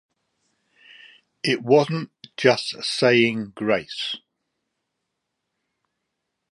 It wasn't just saying grace.